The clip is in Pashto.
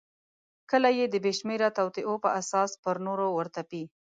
کله یې د بېشمیره توطیو په اساس پر نورو ورتپي.